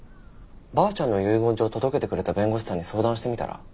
ばあちゃんの遺言状届けてくれた弁護士さんに相談してみたら？